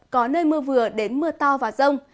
có nơi mưa vừa đến mưa to và rông